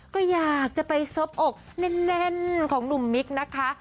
ก็อยากจะไปซบอกแน่นของหนุ่มมิกนะคะ